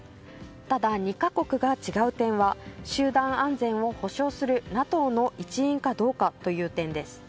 ただ、２か国が違う点は集団安全を保障するＮＡＴＯの一員かどうかという点です。